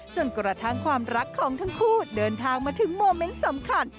จนกระทั่งความรักของทั้งคู่เดินทางมาถึงโมเมนต์สำคัญ